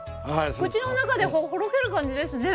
口の中でほどける感じですね。